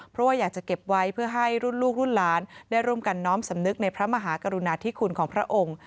เพราะว่าอยากจะเก็บไว้เพื่อให้รุ่นลูกรุ่นหลานได้ร่วมกันน้อมสำนึกในพระมหากรุณาธิคุณของพระองค์